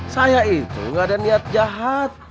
saya itu gak ada niat jahat